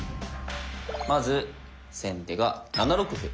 まず先手が７六歩。